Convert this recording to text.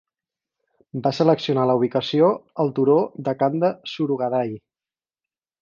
Va seleccionar la ubicació al turó de Kanda Surugadai.